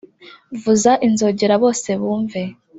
Vuza inzogera bose bumve